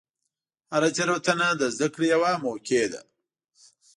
هره تېروتنه د زدهکړې یوه موقع ده.